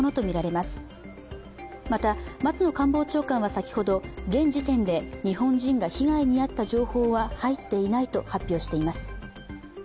また、松野官房長官は先ほど、現時点で日本人が被害に遭った情報は入っていないと発表しています。